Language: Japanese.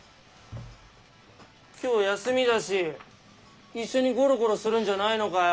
今日休みだし一緒にゴロゴロするんじゃないのかよ。